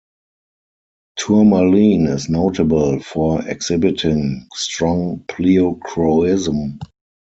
Tourmaline is notable for exhibiting strong pleochroism.